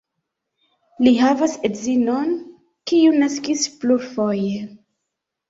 Li havas edzinon, kiu naskis plurfoje.